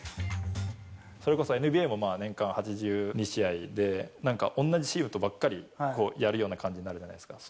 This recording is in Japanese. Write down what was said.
それこそＮＢＡも、年間８２試合で、なんか同じチームとばっかりやるようになるじゃないですか。